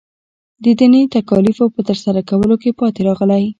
د دیني تکالیفو په ترسره کولو کې پاتې راغلی.